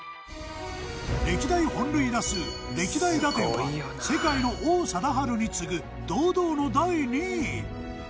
歴代本塁打数歴代打点は世界の王貞治に次ぐ堂々の第２位。